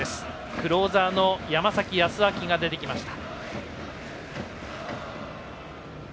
クローザーの山崎康晃が出てきました。